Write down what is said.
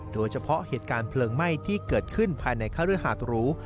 โดยเฉพาะเหตุการณ์เพลิงไหม้ที่เกิดขึ้นภายในคฤหาดหรู